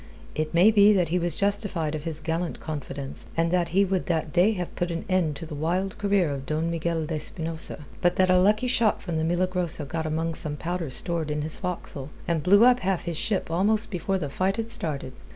It may be that he was justified of his gallant confidence, and that he would that day have put an end to the wild career of Don Miguel de Espinosa, but that a lucky shot from the Milagrosa got among some powder stored in his forecastle, and blew up half his ship almost before the fight had started.